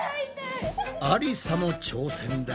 ありさも挑戦だ！